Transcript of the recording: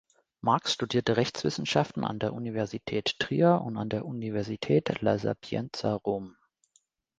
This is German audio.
Marx studierte Rechtswissenschaften an der Universität Trier und der Universität La Sapienza Rom.